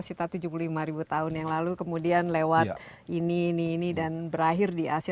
kita tujuh puluh lima ribu tahun yang lalu kemudian lewat ini ini ini dan berakhir di asia